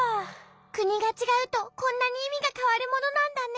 くにがちがうとこんなにいみがかわるものなんだね。